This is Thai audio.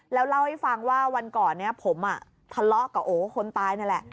แล้วเล่าให้ฟังว่าวันก่อนนี้ผมทะเลาะกับโอคนตายนั่นแหละ